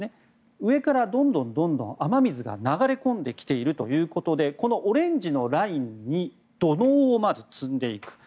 上からどんどん雨水が流れ込んできているということでこのオレンジのラインに土のうをまず積んでいく。